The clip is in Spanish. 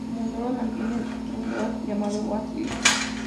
Munroe mantiene un blog llamado "What if?